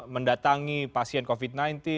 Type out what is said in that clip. mendatangi pasien covid sembilan belas